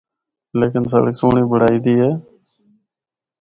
لیکن سڑک سہنڑی بنڑائی دی اے۔